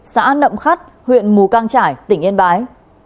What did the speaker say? xã nậm khắt huyện mù căng trải tỉnh yên bái